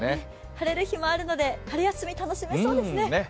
晴れる日もあるので春休み楽しめそうですね。